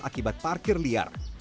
akibat parkir liar